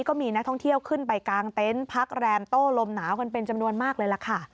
ก็มีนักท่องเที่ยวขึ้นไปกางเต็นต์พักแรมโต้ลมหนาวกันเป็นจำนวนมากเลยล่ะค่ะ